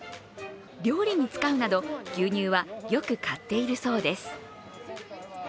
料理に使うなど、牛乳はよく買っているそうです。